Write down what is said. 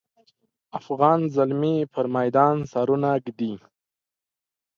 افغاني زلمیان پر میدان سرونه ږدي.